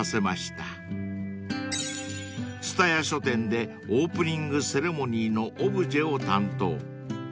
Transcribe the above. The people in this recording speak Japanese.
［蔦屋書店でオープニングセレモニーのオブジェを担当］